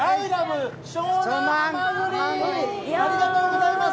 ありがとうございます。